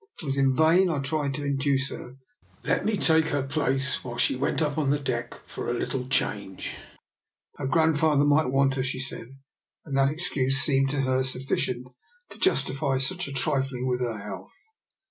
It was in vain I tried to induce her to let me take her place while she went up to the deck for a little change. Her grandfather might want her, she said, and that excuse seemed to her sufficient to justify such trifling with her health.